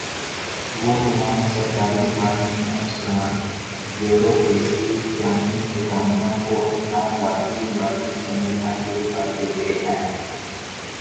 وہ تمام سرکاری ملازمین افسران بیورو کریسی یعنی انتظامیہ کو اپنا ذاتی ملازم سمجھنا شروع کر دیتے ہیں ۔